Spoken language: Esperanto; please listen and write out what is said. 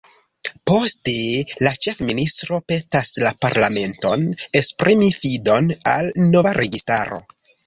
Poste la ĉefministro petas la parlamenton esprimi fidon al la nova registaro.